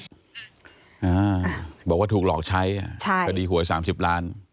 อ่าบอกว่าถูกหลอกใช้อ่ะใช่คดีหวยสามสิบล้าน